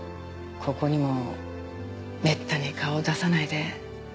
ここにもめったに顔を出さないで。